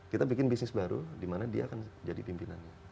kita bikin bisnis baru di mana dia akan jadi pimpinannya